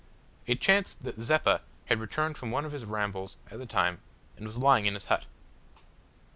It chanced that Zeppa had returned from one of his rambles at the time and was lying in his hut.